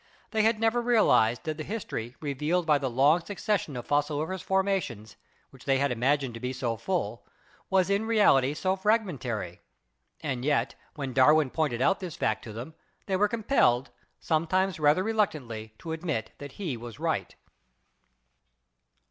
They had never realized that the history revealed by the long suc cession of fossiliferous formations, which they had imag ined to be so full, was in reality so fragmentary. And yet when Darwin pointed out this fact to them, they were compelled, sometimes rather reluctantly, to admit that he was right.